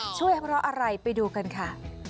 ช่วยเพราะอะไรไปดูกันค่ะ